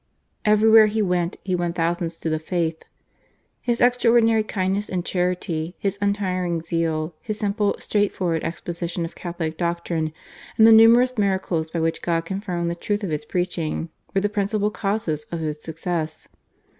Everywhere he went he won thousands to the faith. His extraordinary kindness and charity, his untiring zeal, his simple straightforward exposition of Catholic doctrine, and the numerous miracles by which God confirmed the truth of his preaching, were the principal causes of his success.